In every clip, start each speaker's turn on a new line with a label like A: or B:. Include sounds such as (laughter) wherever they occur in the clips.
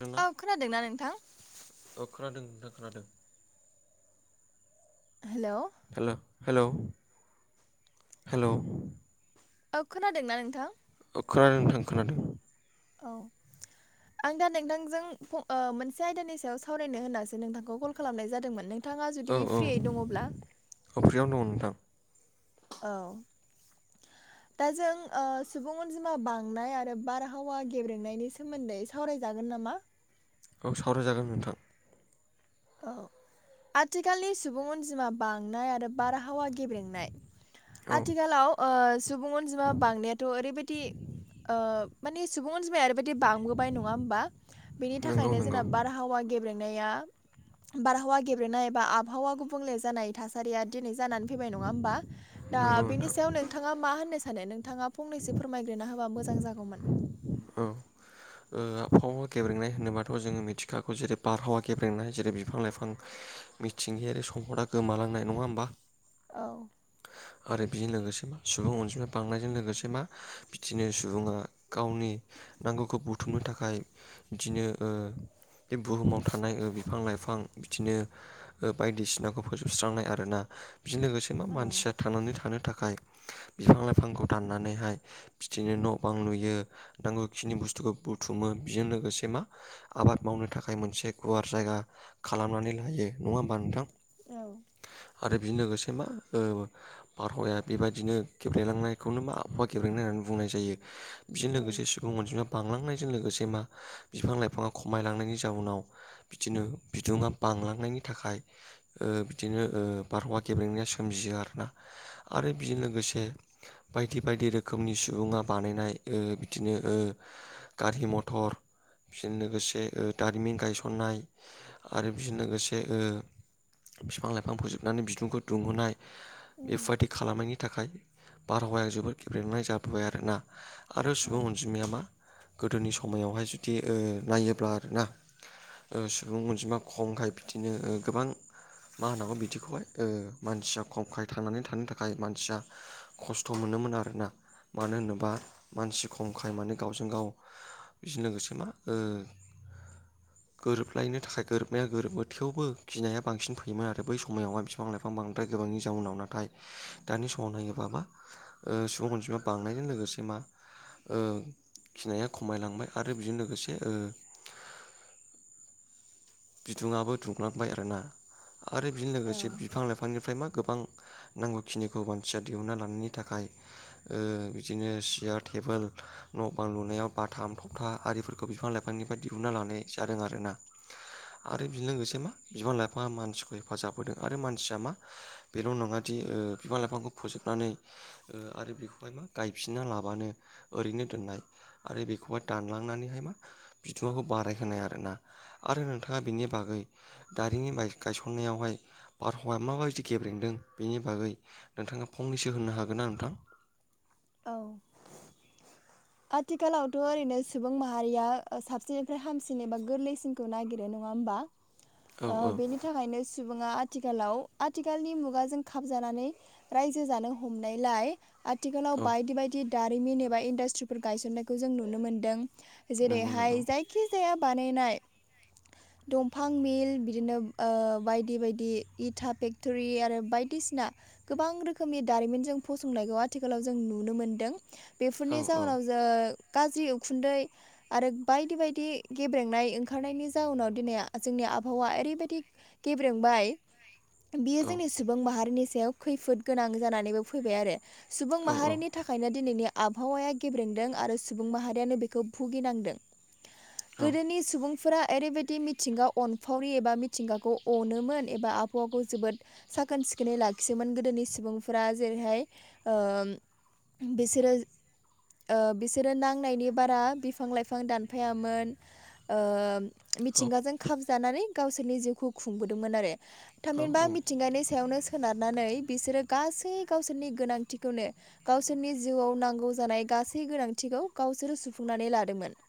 A: नोङा
B: औ खोनादोंना नोंथां।
A: औ खोनादों नोंथां खोनादों।
B: हेल'
A: हेल' हेल' हेल'
B: औ खोनादोंना नोंथां
A: औ खोनादों नोंथां खोनादों
B: औ
A: (inaudible) (inaudible)
B: आं दा नोंथांजों ओ मोनसे आयदानि सायाव सावरायनो होननासो नोंथांखौ कल खालामनाय जादोंमोन नों नोंथाङा जुदि फ्रियै दङब्ला
A: अ फ्रियावनो दङ नोंथां
B: औ
A: (inaudible)
B: दा जों ओ सुबुं अनजिमा बांनाय आरो बारहावा गेब्रेंनायनि सोमोन्दै सावरायजागोन नामा
A: औ सावरायजागोन नोंथां
B: औ आथिखालनि सुबुं अनजिमा बांनाय आरो बारहावा गेब्रेंनाय
A: औ
B: आथिखालाव ओ सुबुं अनजिमा बांनायाथ' ओरैबायदि ओ माने सुबुं अनजिमाया ओरै बायदि बांबोबाय नङा होमबा बेनि
A: नंगौ
B: थाखायनो
A: नंगौ
B: जोंना बारहावा गेब्रेंनाया बारहावा गेब्रेंनाय एबा आबहावा गुबुंले जानाय थासारिया दिनै जानानै फैबाय नङा होमबा दा
A: नंगौ
B: बेनि
A: नोंथां
B: सायाव नोंथाङा मा होननो सानो नोंथाङा फंनैसो फोरमायग्रोना होबा मोजां जागौमोन
A: औ ओ आबहावा गेब्रेंनाय होनोबाथ' जोङो मिथिखागौ जेरै बारहावा गेब्रेंनाय जेरै बिफां लाइफां मिथिंगायारि सम्पदा गोमालांनाय नङा होमबा
B: औ
A: आरो बेजों लोगोसे मा सुबुं अनजिमा बांनायजों लोगोसे मा बिदिनो सुबुङा गावनि नांगौखौ बुथुमनो थाखाय बिदिनो ओ बे बुहुमाव थानाय बिफां लाइफां बिदिनो बायदिसिनाखौ फोजोबस्रांनाय आरोना बिजों लोगोसे मा
B: औ
A: मानसिया थांनानै थानो थाखाय बिफां लाइफांखौ दाननानैहाय बिदिनो न' बां लुयो नांगौखिनि बुस्थुखौ बुथुमो बेजों लोगोसे मा आबाद मावनो थाखाय मोनसे गुवार जायगा खालामनानै लायो नङा होमबा नोंथां
B: औ
A: आरो बेजों लोगोसे मा ओ बारहावाया बेबायदिनो गेब्रेंलांनायखौनो मा आबहावा गेब्रेंनाय होननानै बुंनाय जायो बेजों
B: औ
A: लोगोसे सुबुं अनजिमाया बांलांनायजों लोगोसे मा बिफां लाइफाङा खमायलांनायनि जाउनाव बिदिनो बिदुङा बांलांनायनि थाखाय बिदिनो बारहावा गेब्रेंनाया सोमजियो आरोना आरो बेजों लोगोसे बायदि बायदि रोखोमनि सुबुङा बानायनाय ओ बिदिनो गारि मथर बिजों लोगोसे दारिमिन गायसननाय आरो बेजों लोगोसे ओ बिफां लाइफां फोजोबनानै बिदुंखौ दुंहोनाय
B: उम
A: बेबायादि खालामनायनि थाखाय बारहावाया जोबोद गेब्रेंनाय जाबोबाय आरोना। आरो
B: औ
A: सुबुं अनजिमाया मा गोदोनि समायावहाय जुदि ओ नायोब्ला आरोना। ओ सुबुं अनजिमा खमखाय ओ बिदिनो गोबां मा होननांगौ बिदिखौहाय ओ मानसिया खमखाय थांनानै थानो थाखाय मानसिया खस्थ' मोनोमोन आरोना मानो होनोबा मानसि खमखाय माने गावजों गाव बिजों लोगोसे मा ओ गोरोबलायनो थाखाय गोरोबनाया गोरोबो थेवबो गिनाया बांसिन फैयोमोन आरो बै समायावहाय बिफां लाइफां बांद्राय गोबांनि जाउनावनो नाथाय दानि समाव नायोबा मा सुबुं अनसिमा बांनायजों लोगोसे मा ओ गिनाया खमायलांबाय आरो बेजों लोगोसे ओ बिदुङाबो दुंलांबाय आरोना आरो बेजों
B: औ
A: लोगोसे बिफां लाइफांनिफ्राय मा गोबां नांगौखिनिखौ मानसिया दिहुनना लानायनि थाखाय ओ बिदिनो सियार टेबोल न' बां लुनायाव बाथाम थबथा आरिफोरखौ बिफां लाइफांनिफ्राय दिहुनना लानाय जादों आरो ना। आरो बेजों लोगोसे मा बिफां लाइफांङा मानसिखौ हेफाजाब होदों आरो मानसिया मा बेल' नङा दि ओ बिफां लाइफांखौ फोजोबनानै ओ आरो बेखौहाय मा गायफिना लाबानो ओरैनो दोननाय आरो बेखौहाय दानलांनानैहाय मा (unintelligible) बारायहोनाय आरोना आरो नोंथाङा बिनि बागै दारिमिन गाय- गायसननायावहाय बारहावाया माबायदि गेब्रेंदों बेनि बागै नोंथाङा फंनैसो होननो हागोन ना नोंथां?
B: औ
A: (inaudible)
B: आथिखालावथ' ओरैनो सुबुं माहारिया साबसिननिफ्राय हामसिन एबा गोरलैसिनखौ नागिरो नङा होमबा?
A: औ औ
B: ओ बेनि थाखायनो सुबुङा आथिखालाव आथिखालनि मुगाजों खाबजानानै रायजो जानो हमनायलाय आथिखाल
A: औ
B: बायदि बायदि दारिमिन एबा इन्डासट्रिफोर गायसननायखौ जों नुनो मोन्दों
A: नंगौ नंगौ
B: जेरैहाय जाय खिजाया बानायनाय
A: (inaudible)
B: दंफां मिल बिदिनो ओ बायदि बायदि इथा फेक्ट'रि आरो बायदिसिना गोबां रोखोमनि दारिमिन जों फसंनायखौ आथिखालाव जों नुनो मोनदों
A: औ
B: बेफोरनि
A: औ
B: जाउनाव ओ गाज्रि उखुन्दै आरो बायदि बायदि गेब्रेंनाय ओंखारनायनि जाउनाव दिनै जोंनि आबहावा ओरैबायदि गेब्रेंबाय बियो
A: औ
B: जोंनि सुबुं माहारिनि सायाव खैफोद गोनां जानानैबो फैबाय आरो। सुबुं
A: औ
B: माहारिनि बेनि थाखायनो दिनैनि आबहावाया गेब्रेंदों आरो सुबुं माहारियानो बेखौ भुगिनांदों।
A: औ
B: गोदोनि सुबुंफोरा ओरैबायदि मिथिंगा अनफावरि एबा मिथिंगाखौ अनोमोन एबा आबहावाखौ जोबोद साखोन सिखोनै लाखियोमोन गोदोनि सुबुंफोरा जेरैहाय ओ बेसोरो ओ बिसोरो नांनायनि बारा बिफां लाइफां दानफायामोन। ओ मिथिंगाजों खाबजानानै गावसोरनि जिउखौ खुंबोदोंमोन आरो।
A: औ
B: थामहिनबा
A: औ
B: मिथिंगानि सायावनो सोनारनानै बिसोरो गासै गावसोरनि गोनांथिखौनो गावसोरनि जिउआव नांगौ जानाय गासै गोनांथिखौ गावसोर सुफुंनानै लादोंमोन।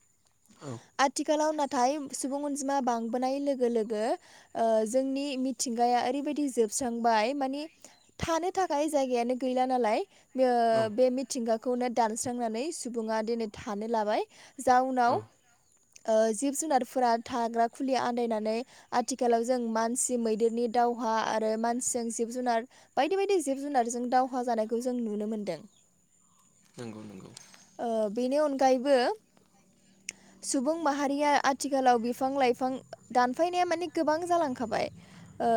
A: औ
B: आथिखालाव नाथाय सुबुं अनजिमा बांबोनाय लोगो लोगो ओ जोंनि मिथिंगाया ओरैबायदि जोबस्रांबाय माने थानो थाखाय जायगायानो गैला नालाय ओ
A: औ
B: बे मिथिंगाखौनो दानस्रांनानै सुबुङा दिनै थानो लाबाय।
A: औ
B: जाउनाव ओ जिब जुनारफोरा थाग्रा खुलि आन्दायनानै आथिखालाव जों मानसि मैदेरनि दावहा आरो मानसिजों जिब जुनार बायदि बायदि जिब जुनारजों दावहा जानायखौ जों नुनो मोनदों।
A: नंगौ नंगौ
B: ओ बेनि अनगायैबो सुबुं माहारिया आथिखालाव बिफां लाइफां दानफायनाया माने गोबां जालांखाबाय ओ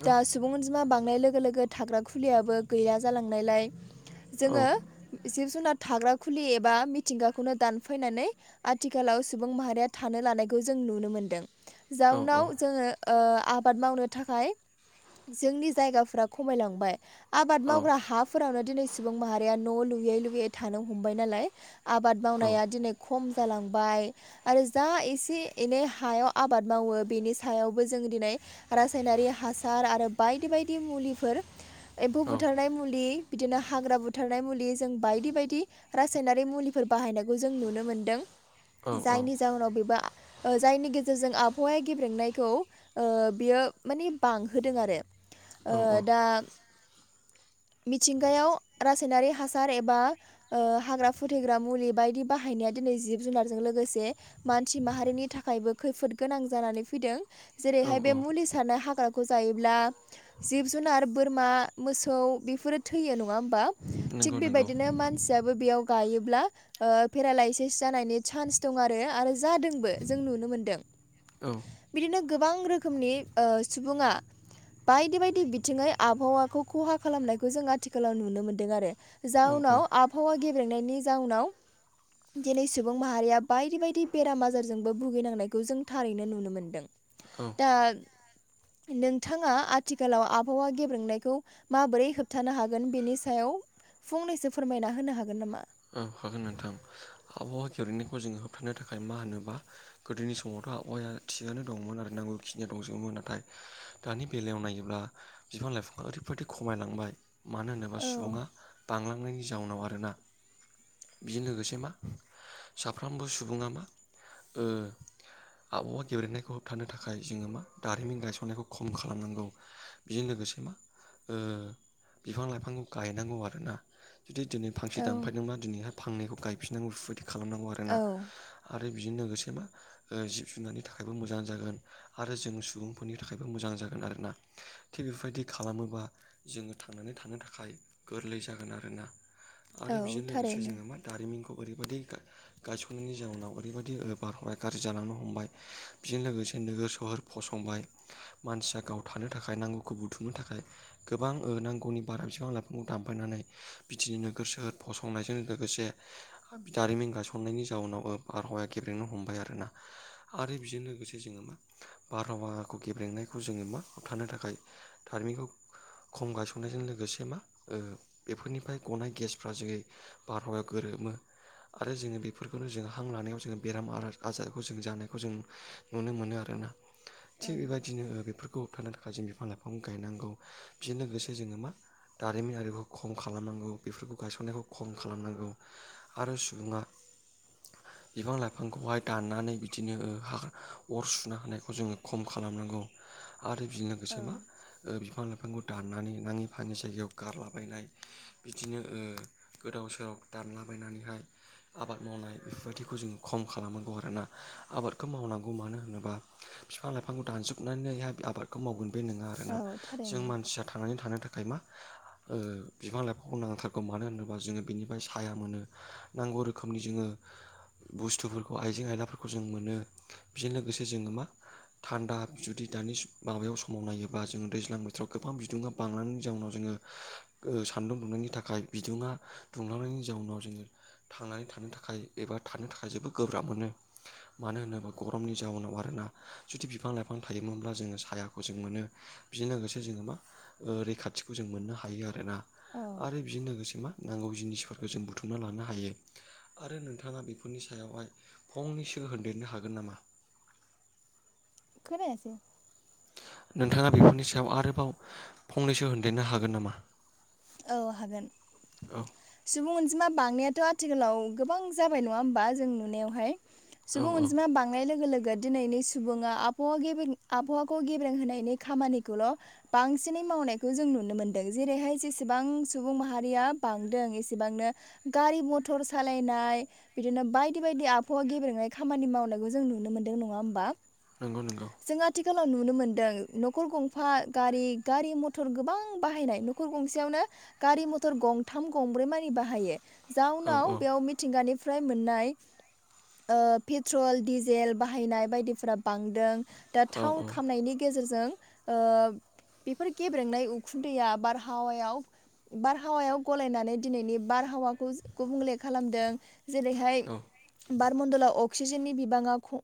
A: औ
B: दा सुबुं अनजिमा बांनाय लोगो लोगो थाग्रा खुलियाबो गैया जालांनायलाय
A: औ
B: जोङो जिब जुनार थाग्रा खुलि एबा मिथिंगाखौनो दानफायनानै आथिखालाव सुबुं माहारिया थानो लानायखौ जों नुनो मोनदों
A: औ
B: जाउनाव जोङो ओ आबाद मावनो थाखाय जोंनि जायगाफोरा खमायलांबाय आबाद मावग्रा हाफोरावनो दिनै सुबुं माहारिया न' लुयै लुयै थानो हमबाय नालाय आबाद मावनाया दिनै खम जालांबाय आरो जा एसे एनै हायाव आबाद मावो बेनि सायावबो जों दिनै रासायनारि हासार आरो बायदि बायदि मुलिफोर एम्फौ बुथारनाय मुलि बिदिनो हाग्रा बुथारनाय मुलि जों बायदि बायदि रासायनारि मुलिफोर बाहायनायखौ जों नुनो मोनदों जायनि जाउनाव बेबा ओ जायनि गेजेरजों आबहावाया गेब्रेंनायखौ ओ बियो माने बांहोदों आरो।
A: औ
B: ओ दा मिथिंगायाव रासायनारि हासार एबा ओ हाग्रा फुथैग्रा मुलि बायदि बाहायनाया दिनै जिब जुनारजों लोगोसे मानसि माहारिनि थाखायबो खैफोद गोनां जानानै फैदों
A: औ
B: जेरैहाय बे
A: औ
B: मुलिजों सारनाय हाग्राखौ जायोब्ला जिब जुनार बोरमा मोसौ बेफोरो थैयो नङा होमबा थिग
A: नंगौ नंगौ
B: बेबायदिनो मानसियाबो बेयाव गायोब्ला ओ पेरालायसिस जानायनि चान्स दं आरो आरो जादोंबो जों नुनो मोनदों।
A: औ
B: बिदिनो गोबां रोखोमनि ओ सुबुङा बायदि बायदि बिथिङै आबहावाखौ खहा खालामनायखौ जोंहा थिखालाव नुनो मोनदों आरो
A: औ
B: जाउनाव आबहावा गेब्रेनायनि जाउनाव दिनै सुबुं माहारिया बायदि बायदि बेराम आजारजोंबो भुगिनांनायखौ जों थारैनो नुनो मोन्दों।
A: औ
B: दा नोंथाङा आथिखालाव आबहावा गेब्रेंनायखौ माबोरै होबथानो हाग गोन बेनि सायाव फंनैसो फोरमायना होनो हागोन नामा?
A: औ हागोन नोंथां आबहावा गेब्रेंनायखौ जोङो होबथानो थाखाय मा होनोबा गोदोनि समावथ' आबहावाया थिगानो दंमोन आरो नांगौखिनिया दंजोबोमोन नाथाय दानि बेलायाव नायोब्ला बिफां लाइफां ओरैबायाददि खमायलांबाय मानो होनोबा
B: औ
A: सुबुङा बांलांनायनि जाउनाव आरोना। बिजों लोगोसे मा साफ्रोमबो सुबुङा मा ओ आबहावा गेब्रेनायखौ होबथानो थाखाय जोङो मा दारिमिन गायसननायखौ खम खालामनांगौ। बेजों लोगोसे मा ओ बिफां लाइफांखौ गायनांगौ आरोना। जुदि दिनै फांसे
B: औ
A: दाम दिनैहाय फांनायखौ गायफिननांगौ बेफोरबायदि खालामनांगौ आरोना
B: औ
A: आरो बिजों लोगोसे मा ओ जिब जुनारनि थाखायबो मोजां जागोन। आरो जों सुबुंफोरनि थाखायबो मोजां जागोन आरोना थिग बेफोरबायदि खालामोबा जोङो थांनानै थानो थाखाय गोरलै जागोन आरोना। आरो
B: औ
A: बेजों लोगोसे
B: थारैनो
A: जोङो मा जारिमिनखौ ओरैबायदि गा गायसननायनि जाउनाव ओरैबायदि बार हावाया गाज्रि जालांनो हमबाय बेजों लोगोसे नोगोर सहर फसंबाय मानसिया गाव थानो थाखाय नांगौखौ बुथुमनो थाखाय गोबां ओ नांगौनि बारा बिफां लाइफांखौ दामफायनानै बिदिनो नोगोर सो फसंनायजों लोगोसे दारिमिन गासननायनि जाउनाव ओ बारहावाया गेब्रेनो हमबाय आरोना। आरो बेजों लोगोसे जोङो मा बारहावाहाखौ गेब्रेंनायखौ जोङो मा होबथानो थाखाय दारिमिखौ खम गायसननायजों लोगोसे मा बेफोरनिफ्राय गनाय गेस फ्रा जोङै बारहावायाव गोरोमो आरो जोङो बेफोरखौनो जों हां लानायाव जोङो बेराम आ-आजारखौ जों जानायखौ जों नुनो मोनो आरोना।
B: औ
A: थिग बेबायदिनो ओ बेफोरखौ होबथानो बायदि बिफां लाइफां गायनांगौ बिजों लोगोसे जोङो मा दारिमिनारिखौ खम खालामनांगौ बेफोरखौ गायसननायखौ खम खालामनांगौ आरो सुबुङा बिफां लाइफांखौहाय दाननानै बिदिनो ओ हा अर सुनो हानायखौ जोङो खम खालामनांगौ। आरो बिदिनो
B: औ
A: लोगोसे मा बिफां लाइफांखौ दाननानै नाङि फाङि जायगायाव गारलाबायनाय बिदिनो ओ गोदाव सोराव दानलाबायनानैहाय आबाद मावनाय बेफोरबायदिखौ जोंङो खम खालामनांगौ आरोना आबादखौ मावनांगौ। मानो होनोबा बिफां लाइफांखौ दानजोबनानै आबादखौ मावगोन बे नोङा।
B: औ
A: आरोना जों
B: थारैनो
A: मानसिया थांनानै थानो थाखाय मा ओ बिफां लाइफांखौ नांथार गौ। मानो होनोब्ला जोङो बिनिफ्राय साया मोनो नांगौ रोखोमनि जोङो बुस्थुफोरखौ आइजें आयलाफोरखौ जों मोनो। बेजों लोगोसे जोङो मा थान्दा जुदि दानि माबायाव समाव नायोबा जोङो दैज्लां बोथोराव गोबां बिदुङा बांनायनि जों उनाव जोङो ओ सान्दुं दुंनायनि थाखाय बिदुङा दुंलांनायनि जाउनाव जोङो थांनानै थानो थाखाय एबा थानो थाखाय जोबोद गोब्राब मोनो। मानो होनोब्ला गरमनि जाउनाव आरो ना जुदि बिफां लाइफां थायोमोनब्ला जोङो सायाखौ जों मोनो। बिजों लोगोसे जोङो मा ओ रैखाथिखौ जों मोननो हायो आरो ना।
B: औ
A: आरो बिदिजों लोगोसे मा नांगौ जिनिसफोरखौ जों बुथुमना लानो हायो। आरो नोंथाङा बेफोरनि सायावहाय फंनैसो होनदेरनो हागोन नामा?
B: खोनायासै?
A: नोंथाङा बेफोरनि सायाव आरोबाव फंनैसो होनदेरनो हागोन नामा?
B: औ हागोन।
A: औ
B: सुबुं अनजिमा बांनायाथ' आथिखालाव गोबां जाबाय नङा होमबा जों नुनायाव हाय।
A: औ
B: सुबुं
A: औ
B: अनजिमा बांनाय लोगो लोगो दिनैनि सुबुङा आबहावा गेबें आबहावाखौ गेब्रें होनायनि खामानिखौल' बांसिनै मावनायखौ जों नुनो मोनदों जेरै'हाय जिसे बां सुबुं माहारिया बांदों एसेबांनो गारि मथर सालायनाय बिदिनो बायदि बायदि आबहावा गेब्रेंनाय खामानि मावनायखौ जों नुनो मोन्दों नङा होमबा।
A: नंगौ नंगौ।
B: जों आथिखालाव नुनो मोन्दों न'खर गंफा गारि गारि मथर गोबां बाहायनाय न'खर गंसे याव नो गारि मथर गंथाम गंब्रै मानि बाहायो
A: औ औ
B: जाउनाव बेयाव मि थिंगानिफ्राय मोननाय ओ पेट्रल डिजेल बाहायनाय बायदिफोरा बांदों। दा थाव
A: औ
B: खामनायनि गेजेरजों ओ बेफोर गेब्रेंनाय उखुन्दैया बारहावा याव बारहावायाव गलायनानै दिनैनि बारहावा खुस गुबुंले खालामदों जेरै'हाय
A: औ
B: बार मण्डलाव अक्सिजेननि बिबाङा खम